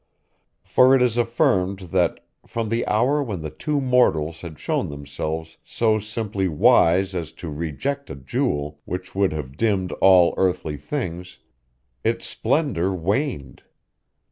For it is affirmed that, from the hour when two mortals had shown themselves so simply wise as to reject a jewel which would have dimmed all earthly things, its splendor waned.